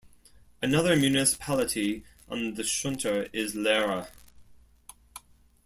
Another municipality on the Schunter is Lehre.